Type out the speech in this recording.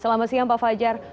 selamat siang pak fajar